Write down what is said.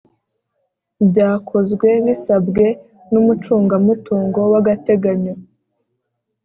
byakozwe bisabwe n’umucungamutungo w’agateganyo